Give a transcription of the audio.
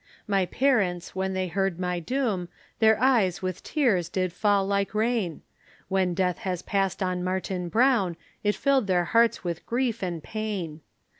My parents, when they heard my doom, Their eyes with tears did fall like rain, When death was passed on Martin Brown, It filled their hearts with grief and pain.